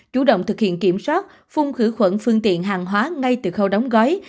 chủ động thực hiện kiểm soát phung khử khuẩn phương tiện hàng hóa ngay từ khâu đóng gói